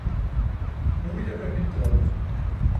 Nu er jeg ved mit blad